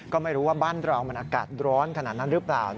ก็ไม่รู้ว่าบ้านเรามันอากาศร้อนขนาดนั้นหรือเปล่า